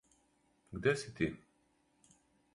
Где си, ти?